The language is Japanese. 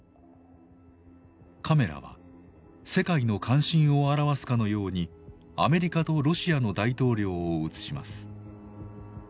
カメラは世界の関心を表すかのようにアメリカとロシアの大統領を映します。